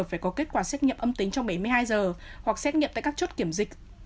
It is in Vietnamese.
phải có kết quả xét nghiệm âm tính trong bảy mươi hai giờ hoặc xét nghiệm tại các chốt kiểm dịch